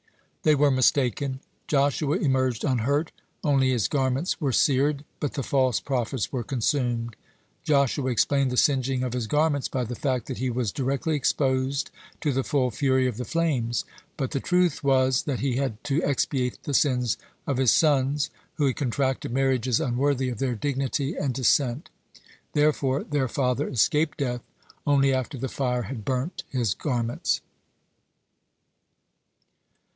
They were mistaken. Joshua emerged unhurt, only his garments were seared, but the false prophets were consumed. Joshua explained the singeing of his garments by the fact that he was directly exposed to the full fury of the flames. But the truth was that he had to expiate the sins of his sons, who had contracted marriages unworthy of their dignity and descent. Therefore their father escaped death only after the fire had burnt his garments.